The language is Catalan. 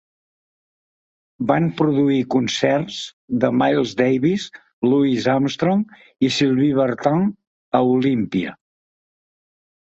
Van produir concerts de Miles Davis, Louis Armstrong i Sylvie Vartan a Olympia.